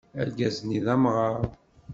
Argaz-nni d amɣaṛ.